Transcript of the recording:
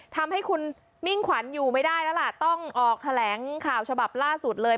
ทำให้คุณมิ่งขวัญอยู่ไม่ได้แล้วล่ะต้องออกแถลงข่าวฉบับล่าสุดเลย